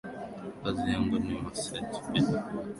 kazi yangu ni massage pedicure macure